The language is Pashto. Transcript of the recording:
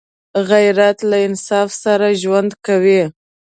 غیرت له انصاف سره ژوند کوي